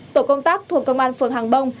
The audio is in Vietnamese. tổ công tác thuộc công an phường hà nội